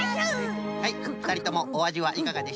はいふたりともおあじはいかがでしょう？